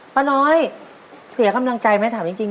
ป้าน้อยเสียกำลังใจไหมถามจริง